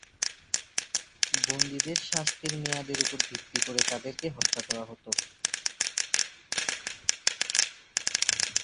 বন্দীদের শাস্তির মেয়াদের ওপর ভিত্তি করে তাদেরকে হত্যা করা হত।